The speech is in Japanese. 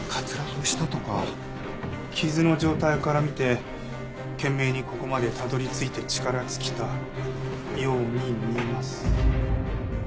傷の状態から見て懸命にここまでたどり着いて力尽きたように見えます。